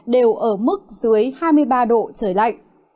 đều ở mức dưới hai mươi ba độ trời lạnh